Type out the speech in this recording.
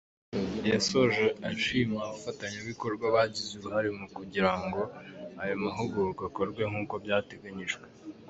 Yasoje ashima Abafatanyabikorwa bagize uruhare mu kugira ngo ayo mahugurwa akorwe nk’uko byateganyijwe.